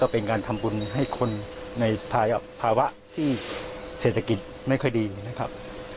เป็นการทำบุญให้คนในภาวะที่เศรษฐกิจไม่ค่อยดีนะครับ